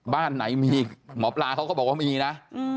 บ้านไหนมีหมอปลาเขาก็บอกว่ามีนะ